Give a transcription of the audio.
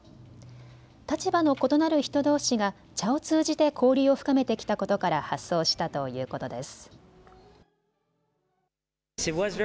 立場の異なる人どうしが茶を通じて交流を深めてきたことから発想したということです。